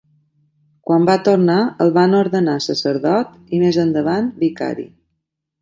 Quan va tornar el van ordenar sacerdot i més endavant vicari.